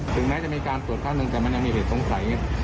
ถึงแม้จะมีการตรวจครั้งหนึ่งแต่มันยังมีเหตุสงสัย